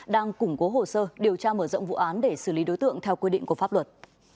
đang củng cố hồ sơ điều tra mở rộng vụ án để xử lý đối tượng theo quy định của pháp luật